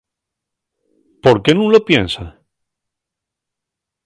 ¿Por qué nun lo piensa?